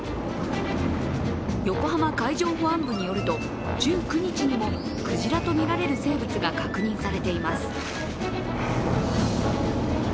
横浜海上保安部によると、１９日にもクジラとみられる生物が確認されています。